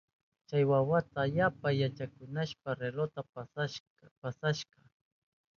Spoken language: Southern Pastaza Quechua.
Chay wawaka yapa yachakunayashpan relojta paskarka.